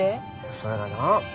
それがな